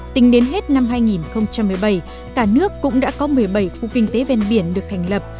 tính đến hết năm hai nghìn một mươi bảy cả nước cũng đã có một mươi bảy khu kinh tế ven biển được thành lập